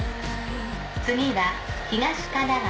次は東神奈川。